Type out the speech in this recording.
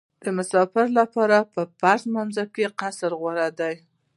د مسافر لپاره په فرضي لمانځه کې قصر غوره دی